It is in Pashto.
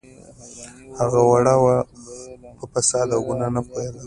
هغه وړه وه په فساد او ګناه نه پوهیده